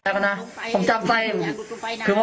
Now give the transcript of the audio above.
ถ้ามันเป็นงุหลามาก